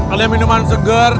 ada minuman seger